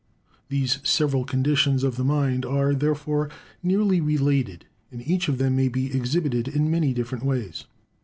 These several conditions of the mind are, therefore, nearly related; and each of them may be exhibited in many different ways.